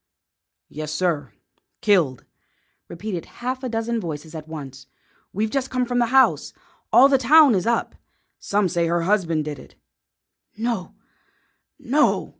"Yes, sir; killed," repeated a half dozen voices at once. "We've just come from the house. All the town is up. Some say her husband did it." "No, no!"